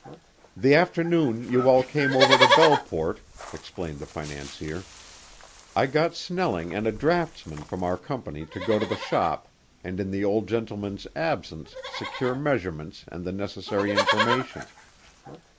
"The afternoon you all came over to Belleport," explained the financier, "I got Snelling and a draughtsman from our company to go to the shop and in the old gentleman's absence secure measurements and the necessary information.